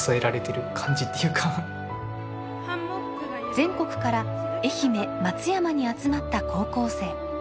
全国から愛媛・松山に集まった高校生。